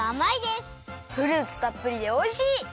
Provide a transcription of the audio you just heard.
フルーツたっぷりでおいしい！